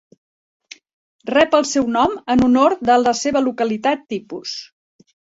Rep el seu nom en honor de la seva localitat tipus.